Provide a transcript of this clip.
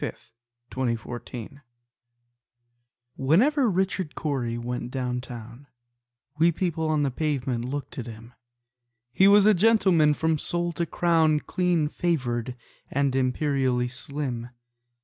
Richard Cory Whenever Richard Cory went down town, We people on the pavement looked at him: He was a gentleman from sole to crown, Clean favored, and imperially slim.